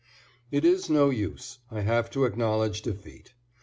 = It is no use I have to acknowledge defeat.